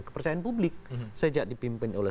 kepercayaan publik sejak dipimpin oleh